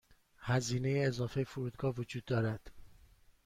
هزینه اضافه فرودگاه وجود دارد.